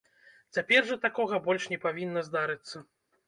Цяпер жа такога больш не павінна здарыцца.